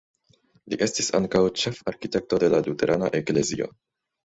Li estis ankaŭ ĉefarkitekto de luterana eklezio.